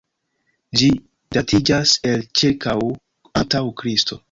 Ĝi datiĝas el ĉirkaŭ antaŭ Kristo.